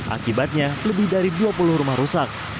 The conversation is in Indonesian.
akibatnya lebih dari dua puluh rumah rusak